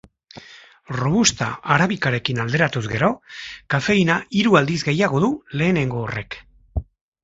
Robusta arabikarekin alderatuz gero, kafeina hiru aldiz gehiago du lehenengo horrek.